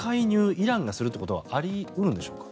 イランがするということはあり得るんでしょうか。